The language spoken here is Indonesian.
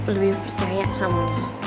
lebih percaya sama